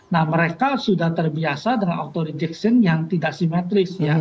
nah mereka sudah terbiasa dengan auto rejection yang tidak simetris ya